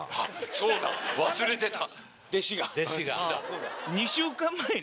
そうだ忘れてた。